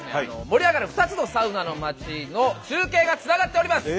盛り上がる２つのサウナの町の中継がつながっております。